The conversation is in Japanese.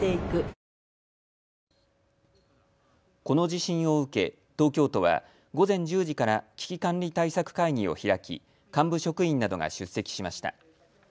この地震を受け、東京都は午前１０時から危機管理対策会議を開き幹部職員などが出席しました。